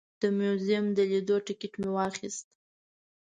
د موزیم د لیدو ټکټ مې واخیست.